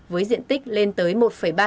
với diện tích lên tới một năm m